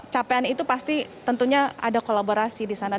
capaian itu pasti tentunya ada kolaborasi di sana